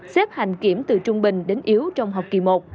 xếp hành kiểm từ trung bình đến yếu trong học kỳ một